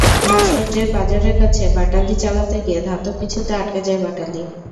ভাস্কর্যের পাঁজরের কাছে বাটালি চালাতে গিয়ে ধাতব কিছুতে আঁটকে যায় বাটালি।